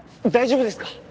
大丈夫ですか？